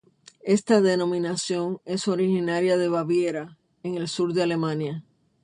Esta denominación es originaria de Baviera, en el sur de Alemania.